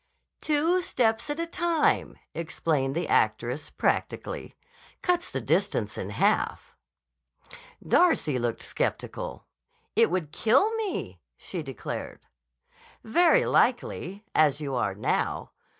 "Two steps at a time," explained the actress practically, "cuts the distance in half." Darcy looked skeptical. "It would kill me," she declared. "Very likely, as you are now.